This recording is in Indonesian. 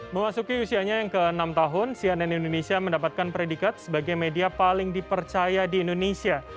memasuki usianya yang ke enam tahun cnn indonesia mendapatkan predikat sebagai media paling dipercaya di indonesia